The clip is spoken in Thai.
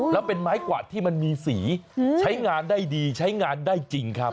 แล้วเป็นไม้กวาดที่มันมีสีใช้งานได้ดีใช้งานได้จริงครับ